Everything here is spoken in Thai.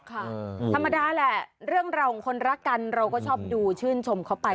ธรรมดาแหละเรื่องราวของคนรักกันเราก็ชอบดูชื่นชมเขาไป